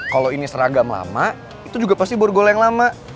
kalau ini seragam lama itu juga pasti borgol yang lama